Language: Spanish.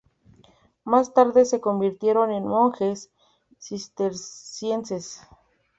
Más tarde se convirtieron en monjes cistercienses.